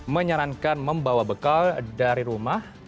menyarankan membawa bekal dari rumah